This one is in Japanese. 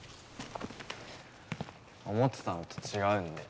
思ってたのと違うんで。